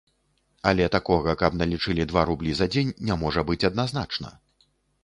Але такога, каб налічылі два рублі за дзень, не можа быць адназначна.